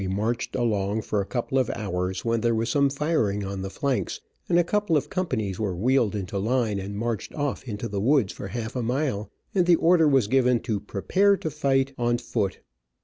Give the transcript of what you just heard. We marched a long for a couple of hours, when there was some firing on the flanks, and a couple of companies were wheeled into line and marched off into the woods for half a mile, and the order was given to "prepare to fight on foot."